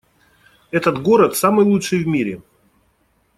Этот город самый лучший в мире!